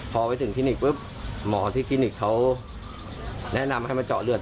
พอไปถึงคลินิกปุ๊บหมอที่คลินิกเขาแนะนำให้มาเจาะเลือด